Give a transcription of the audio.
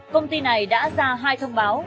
công ty này đã ra hai thông báo